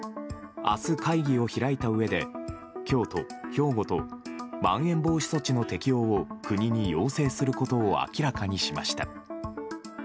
明日、会議を開いたうえで京都、兵庫とまん延防止措置の適用を国に要請することを明らかにしました。